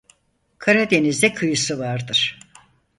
Karadeniz'e kıyısı vardır.